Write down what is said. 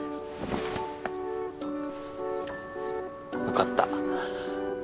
よかった。